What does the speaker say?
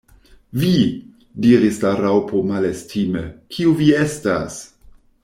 "Vi!" diris la Raŭpo malestime, "kiu vi estas?"